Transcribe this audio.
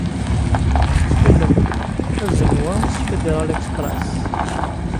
Ttxil-m, azen wa s Federal Express.